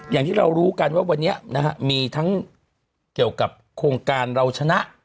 อย่างที่เรารู้กันว่าวันนี้นะฮะมีทั้งเกี่ยวกับโครงการเราชนะ